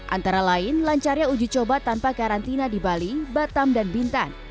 antara lain lancarnya uji coba tanpa karantina di bali batam dan bintan